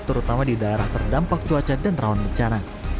terutama di daerah terdampak cuaca dan rawan bencana